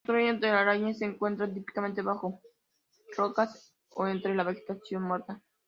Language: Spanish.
No construyen telarañas y se encuentran típicamente bajo rocas o entre la vegetación muerta.